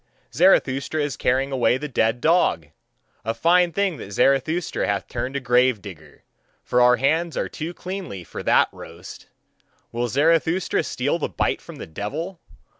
"Zarathustra is carrying away the dead dog: a fine thing that Zarathustra hath turned a grave digger! For our hands are too cleanly for that roast. Will Zarathustra steal the bite from the devil?